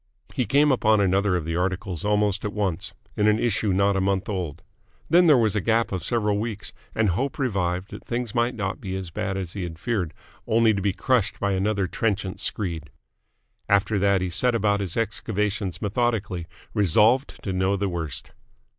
He came upon another of the articles almost at once, in an issue not a month old. Then there was a gap of several weeks, and hope revived that things might not be as bad as he had feared only to be crushed by another trenchant screed. After that he set about his excavations methodically, resolved to know the worst.